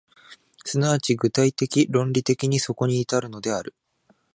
即ち具体的論理的にそこに至るのである。